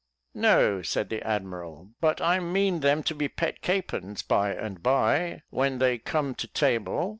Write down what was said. "No," said the admiral, "but I mean them to be pet capons, by and by, when they come to table.